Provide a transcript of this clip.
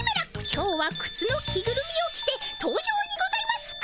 今日はくつの着ぐるみを着て登場にございますか。